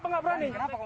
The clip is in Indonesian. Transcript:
kenapa gak berani